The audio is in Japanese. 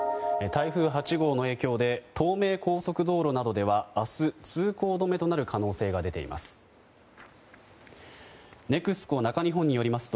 台風８号の影響で東名高速道路などでは明日、通行止めとなる可能性が出ています。